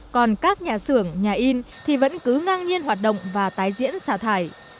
còn các nhà xưởng nhà in thì vẫn cứ ngang nhiên hoạt động và tái diễn xả thải